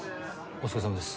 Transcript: お疲れさまです。